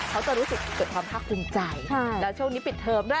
เขาจะรู้สึกเกิดความภาคภูมิใจแล้วช่วงนี้ปิดเทอมด้วย